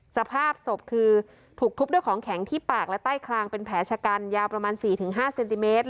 สภาพศพคือถูกทุบด้วยของแข็งที่ปากและใต้คลางเป็นแผลชะกันยาวประมาณ๔๕เซนติเมตร